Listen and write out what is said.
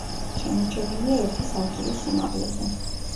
შემორჩენილია ერთი სართულის სიმაღლეზე.